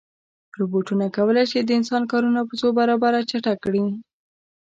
روبوټونه کولی شي د انسان کارونه په څو برابره چټک کړي.